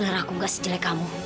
selera aku gak si jelek kamu